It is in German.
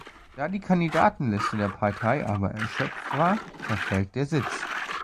Da die Kandidatenliste der Partei aber erschöpft war, verfällt der Sitz.